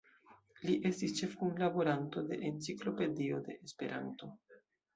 Li estis ĉefkunlaboranto de "Enciklopedio de Esperanto".